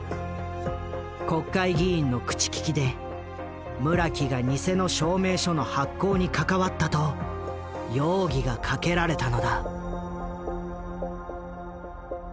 国会議員の口利きで村木が偽の証明書の発行に関わったと容疑がかけられたのだ。